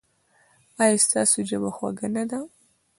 ایا ستاسو ژبه خوږه نه ده؟